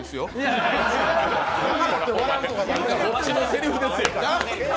こっちのせりふですよ！